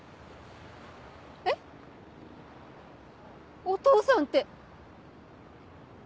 えっ「お父さん」て。